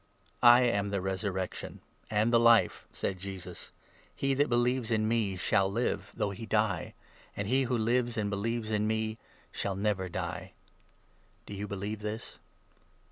"I am the Resurrection and the Life," said Jesus. "He 25 that believes in me shall live, though he die ; and he who 26 lives and believes in me shall never die. Do you believe this?